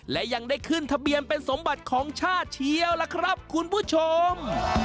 และยังได้ขึ้นทะเบียนเป็นสมบัติของชาติเชียวล่ะครับคุณผู้ชม